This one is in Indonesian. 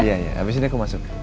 iya ya abis ini aku masuk